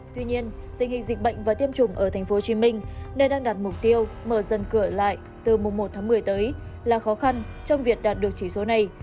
tuy nhiên tình hình dịch bệnh và tiêm chủng ở tp hcm đang đạt mục tiêu mở dân cửa lại từ một một mươi tới là khó khăn trong việc đạt được chỉ số này